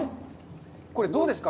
これ、どうですか？